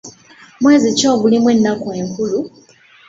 Mwezi ki ogulimu ennaku enkulu?